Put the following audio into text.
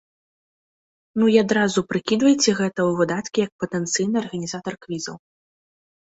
Ну і адразу прыкідвайце гэта ў выдаткі як патэнцыйны арганізатар квізаў.